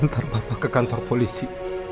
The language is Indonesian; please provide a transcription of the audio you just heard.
ntar bapak ke kantor polisi